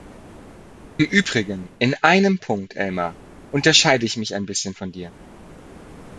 Im Übrigen, in einem Punkt, Elmar, unterscheide ich mich ein bisschen von dir.